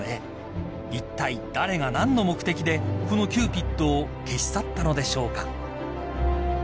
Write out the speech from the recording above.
［いったい誰が何の目的でこのキューピッドを消し去ったのでしょうか］